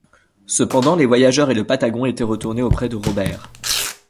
Cependant, les voyageurs et le Patagon étaient retournés auprès de Robert.